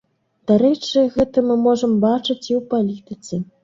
Дарэчы, гэта мы можам бачыць і ў палітыцы.